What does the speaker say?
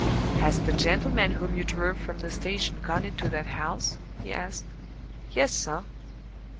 "Has the gentleman whom you drove from the station gone into that house?" he asked. "Yes, sir."